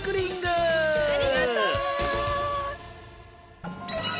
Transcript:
ありがとう！